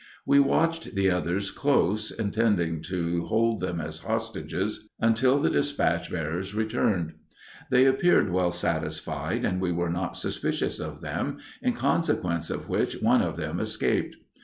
We watched the others close, intending to hold them as hostages until the despatch bearers returned. They appeared well satisfied and we were not suspicious of them, in consequence of which one of them escaped.